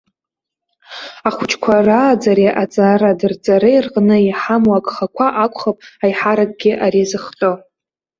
Ахәыҷқәа рааӡареи аҵара дырҵареи рҟны иҳамоу агхақәа акәхап аиҳаракгьы ари зыхҟьо.